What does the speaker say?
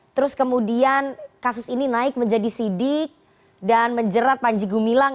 terus kemudian kasus ini naik menjadi sidik dan menjerat panji gumilang